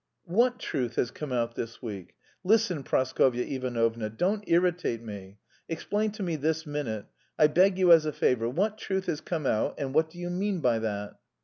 "What truth has come out this week? Listen, Praskovya Ivanovna, don't irritate me. Explain to me this minute, I beg you as a favour, what truth has come out and what do you mean by that?"